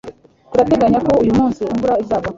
Turateganya ko uyu munsi imvura izagwa